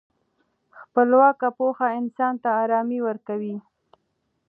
خپلواکه پوهه انسان ته ارامي ورکوي.